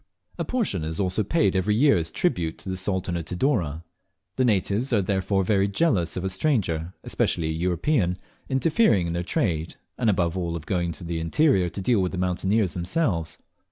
A portion is also paid every year as tribute to the Sultan of Tidore. The natives are therefore very jealous of a stranger, especially a European, interfering in their trade, and above all of going into the interior to deal with the mountaineers themselves.